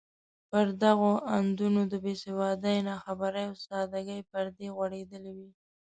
پر دغو اندونو د بې سوادۍ، ناخبرۍ او سادګۍ پردې غوړېدلې وې.